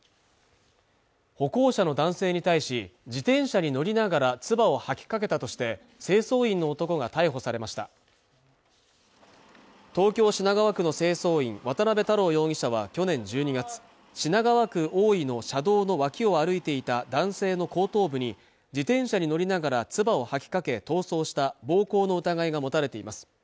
歩行者の男性に対し自転車に乗りながら唾を吐きかけたとして清掃員の男が逮捕されました東京・品川区の清掃員渡辺太郎容疑者は去年１２月品川区大井の車道の脇を歩いていた男性の後頭部に自転車に乗りながら唾を吐きかけ逃走した暴行の疑いが持たれています